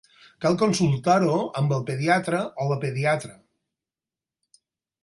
Cal consultar-ho amb el pediatre o la pediatra.